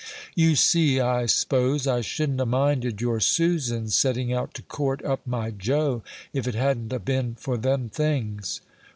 "You see, I s'pose, I shouldn't a minded your Susan's setting out to court up my Joe, if it hadn't a been for them things."